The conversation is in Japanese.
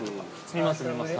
見ます、見ます。